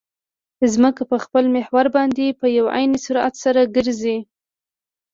ځمکه په خپل محور باندې په یو معین سرعت سره ګرځي